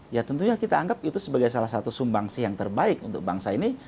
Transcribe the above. ya tentunya kita anggap itu sebagai salah satu sumbangsi yang terbaik untuk bangsa ini